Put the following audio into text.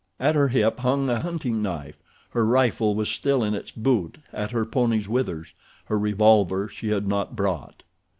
At her hip hung a hunting knife. Her rifle was still in its boot at her pony's withers. Her revolver she had not brought.